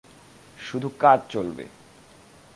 শুধু কাজ চলবে।